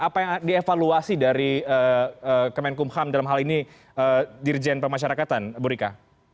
apa yang dievaluasi dari kemenkum ham dalam hal ini dirjen pemasyarakatan ibu rika